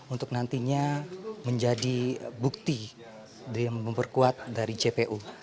untuk nantinya menjadi bukti yang memperkuat dari jpu